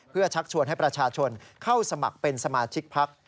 เพื่อชักชวนให้ประชาชนเข้าสมัครเป็นสมาชิกพัก